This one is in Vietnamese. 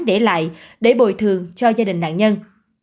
để lại để bồi thường cho gia đình nạn nhân